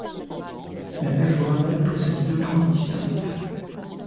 La nageoire anale possède deux pointes distinctes.